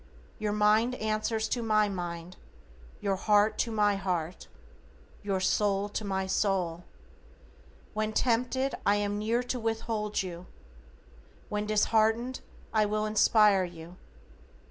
Your mind answers to my mind, your heart to my heart, your soul to my soul. When tempted, I am near to with hold you. When disheartened I will inspire you.